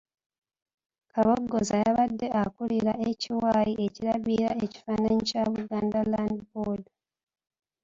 Kabogoza y'abadde akulira ekiwayi ekirabirira ekifaananyi kya Buganda Land Board.